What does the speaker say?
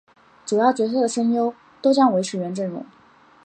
主要角色的声优都将维持原阵容。